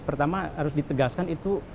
pertama harus ditegaskan itu